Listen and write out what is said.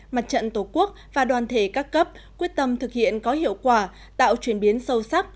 mặt trận tổ quốc và đoàn thể các cấp quyết tâm thực hiện có hiệu quả tạo chuyển biến sâu sắc